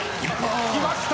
きました！